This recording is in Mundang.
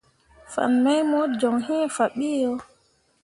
Fan mai mo joŋ iŋ faɓeʼ yo.